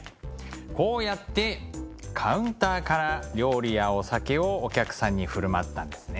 こうやってカウンターから料理やお酒をお客さんに振る舞ったんですね。